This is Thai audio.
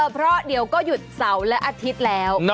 เพราะเดี๋ยวก็หยุดเสาร์และอาทิตย์แล้ว